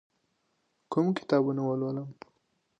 کوم کتابونه ولولم؟